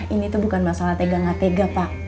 ini tuh bukan masalah tega gak tega pak